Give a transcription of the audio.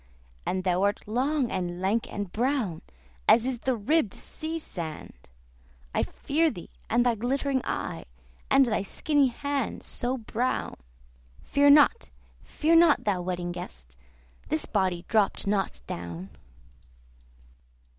And thou art long, and lank, and brown, As is the ribbed sea sand. "I fear thee and thy glittering eye, And thy skinny hand, so brown." Fear not, fear not, thou Wedding Guest! This body dropt not down.